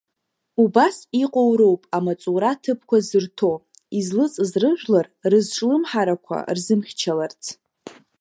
Убас иҟоу роуп амаҵура ҭыԥқәа зырҭо, излыҵыз рыжәлар рызҿлымҳарақәа рзымхьчаларц.